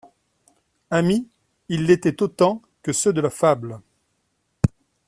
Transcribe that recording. Amis, ils l'étaient autant que ceux de la fable.